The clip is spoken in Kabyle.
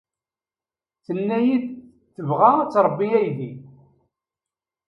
Tenna-iyi-d tebɣa ad tṛebbi aydi.